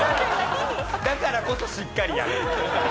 だからこそしっかりやる。